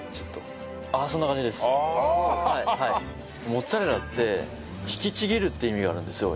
モッツァレラって「引きちぎる」っていう意味があるんですよ